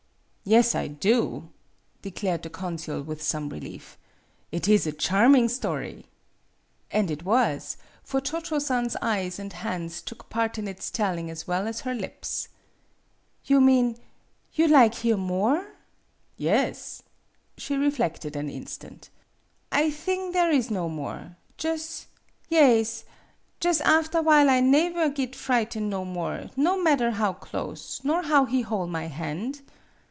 "Yes, I do," declared the consul, with some relief; " it is a charming story." And it was, for Cho Cho San's eyes and hands took part in its telling as well as her lips. "You mean you lig hear more?" "Yes." She reflected an. instant. "I thing there is no more. Jus' yaes, jus' after while I naever git frighten' no more no madder how close, nor how he hoi' my hand."